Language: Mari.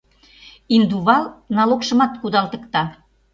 Индувал налогшымат кудалтыкта.